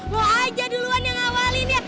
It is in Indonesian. lo aja duluan yang awalin ya